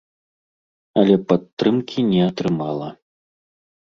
Але падтрымкі не атрымала.